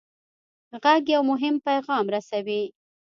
غږ یو مهم پیغام رسوي.